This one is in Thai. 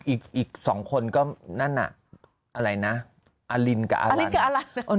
อีก๒คนก็นั่นอ่ะอะไรนะอลินกับอลัน